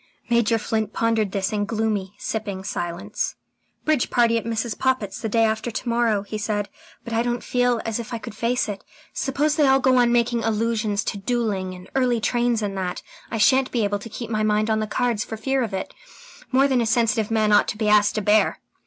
Major Flint pondered this in gloomy, sipping silence. "Bridge party at Mrs. Poppit's the day after to morrow," he said. "I don't feel as if I could face it. Suppose they all go on making allusions to duelling and early trains and that? I shan't be able to keep my mind on the cards for fear of it. More than a sensitive man ought to be asked to bear."